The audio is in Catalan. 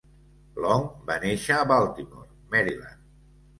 Long va néixer a Baltimore, Maryland.